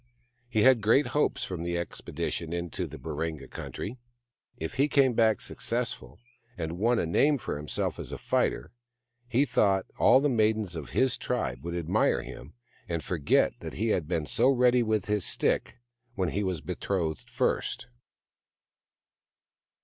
He had great hopes from the expedition into the Baringa country. If he came back successful, and won a name for himself as a fighter, he thought that all the maidens of his tribe would admire him, and forget that he had been so ready with his stick when he w^as betrothed first.